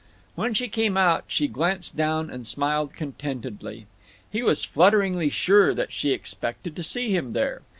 When she came out she glanced down and smiled contentedly. He was flutteringly sure that she expected to see him there.